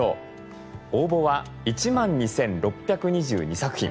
応募は１２，６２２作品。